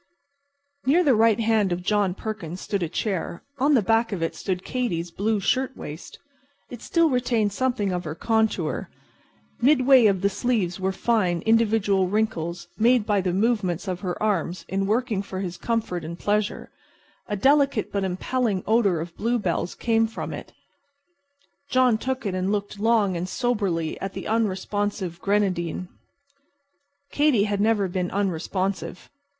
Near the right hand of John Perkins stood a chair. On the back of it stood Katy's blue shirtwaist. It still retained something of her contour. Midway of the sleeves were fine, individual wrinkles made by the movements of her arms in working for his comfort and pleasure. A delicate but impelling odor of bluebells came from it. John took it and looked long and soberly at the unresponsive grenadine. Katy had never been unresponsive.